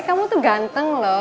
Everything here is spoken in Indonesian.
kamu tuh ganteng lho